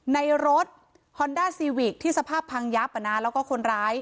ในรถฮอนด้าซีวิกที่สภาพพังยับแล้วก็คนร้าย